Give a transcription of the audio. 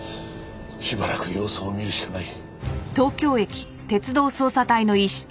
しばらく様子を見るしかない。